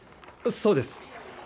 そうです。